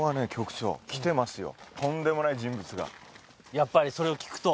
やっぱりそれを聞くと。